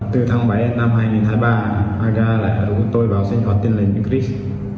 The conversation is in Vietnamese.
từ tháng bảy năm hai nghìn hai mươi ba aga đã đưa tôi vào sinh hoạt tin lệnh đức rích